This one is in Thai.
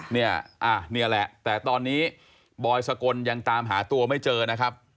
เนี่ยนี่แหละแต่ตอนนี้บอยสกลยังตามหาตัวไม่เจอนะครับ